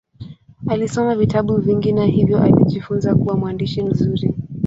Alisoma vitabu vingi na hivyo alijifunza kuwa mwandishi mzuri.